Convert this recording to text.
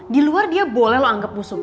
di luar dia boleh loh anggap musuh